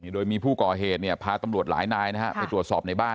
โดยมีผู้ก่อเหตุพาตำรวจหลายนายไปตรวจสอบในบ้าน